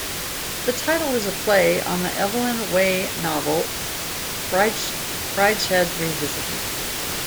The title is a play on the Evelyn Waugh novel "Brideshead Revisited".